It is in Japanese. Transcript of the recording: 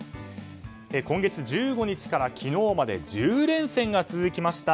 今月１５日から昨日まで１０連戦が続きました